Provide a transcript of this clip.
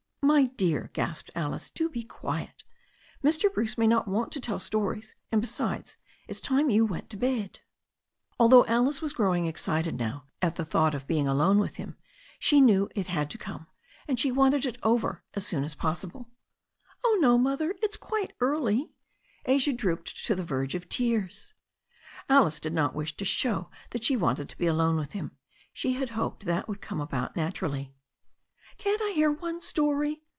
"My dear," gasped Alice, "do be quiet. Mr. Bruce may not want to tell stories. And, besides, it's time you went to bed." Although Alice was growing excited now at the thought of being alone with him, she knew it had to come, and she wanted it over as soon as possible. 144 THE STORY OF A NEW ZEALAND RIVER "Oh, no, Mother, it's quite early." Asia drooped to the verge of tears. Alice did not wish to show that she wanted to be alone with him. She had hoped that would come about natur ally. 'Can't I hear one story?"